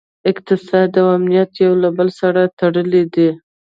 اقتصاد او امنیت یو له بل سره تړلي دي